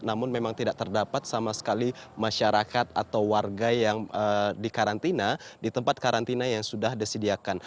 namun memang tidak terdapat sama sekali masyarakat atau warga yang dikarantina di tempat karantina yang sudah disediakan